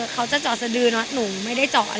เขาจะเจาะและก็เคยไม่ถึงเจาะ